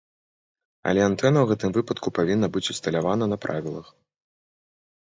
Але антэна ў гэтым выпадку павінна быць усталявана на правілах.